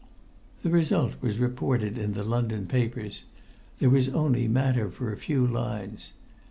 The result was reported in the London papers; there was only matter for a few lines.